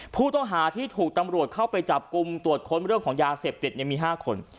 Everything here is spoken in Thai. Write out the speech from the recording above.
ผู้ต้องหาที่ถูกตำรวจเข้าไปจับกลุ่มตรวจค้นเรื่องของยาเสพติดมี๕คน